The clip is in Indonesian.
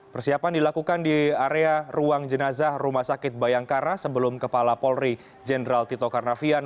persiapan dilakukan di area ruang jenazah rumah sakit bayangkara sebelum kepala polri jenderal tito karnavian